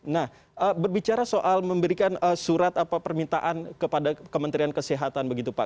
nah berbicara soal memberikan surat atau permintaan kepada kementerian kesehatan begitu pak